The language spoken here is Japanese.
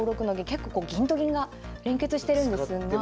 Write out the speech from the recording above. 結構こう銀と銀が連結してるんですが。